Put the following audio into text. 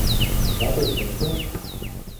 Вӓтет кышты?..